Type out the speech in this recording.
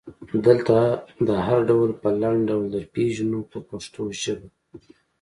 دلته دا هر ډول په لنډ ډول درپېژنو په پښتو ژبه.